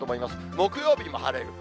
木曜日にも晴れる。